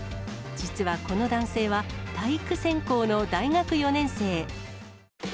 実はこの男性は、体育専攻の大学４年生。